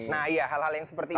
nah iya hal hal yang seperti itu